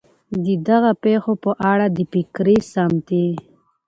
د دغه پېښو په اړه د فکري ، سمتي